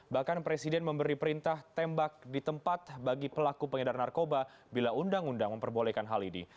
bahkan presiden memberi perintah tembak di tempat bagi pelaku pengedar narkoba bila undang undang memperbolehkan hal ini